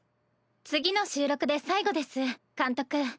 次の収録で最後です監督。